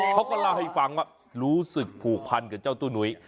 เขาก็เล่าให้ฟังว่ารู้สึกผูกพันกับเจ้าตู้หนุ้ย